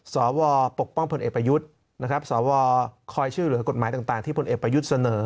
สวปกป้องคนเอ็ดประยุทธ์สวคอยเชื่อเหลือกฎหมายต่างที่คนเอ็ดประยุทธ์เสนอ